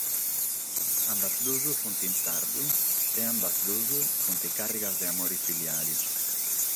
Ambas duas sunt in sardu e ambas duas sunt càrrigas de amore filiale.